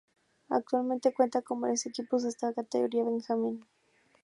Actualmente cuenta con varios equipos hasta categoría benjamín.